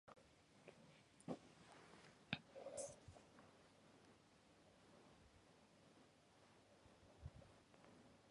Wedell is buried in the Columbia Cemetery in West Columbia, Texas.